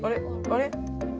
あれ？